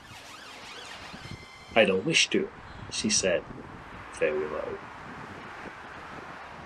“I don’t wish to,” she said, very low.